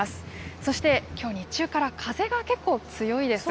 そして、きょう日中から風が結構強いです。